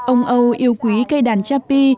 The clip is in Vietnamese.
ông âu yêu quý cây đàn chapi